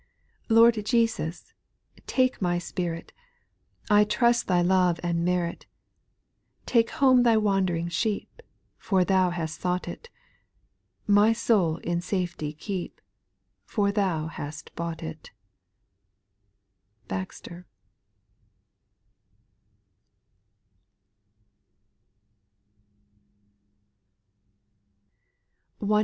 4. Lord Jesus, take my spirit, I trust Thy love and merit : Take home thy wand'ring sheep. For thou hast sought it ; My soul in safety keep. For thou hast bought it. BAXTKB.